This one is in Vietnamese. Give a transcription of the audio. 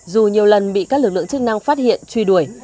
dù nhiều lần bị các lực lượng chức năng phát hiện truy đuổi